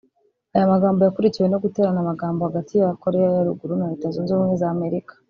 Aya magambo yakurikiwe no guterana amagambo hagati ya Koreya ya Ruguru na Leta zunze ubumwe z’ Amerika